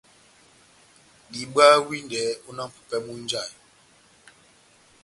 Diwaha windɛ ó náh mʼpupɛ múhínjahe.